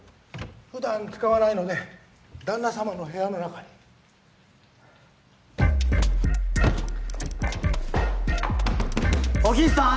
普段使わないので旦那様の部屋の中に。火鬼壱さん！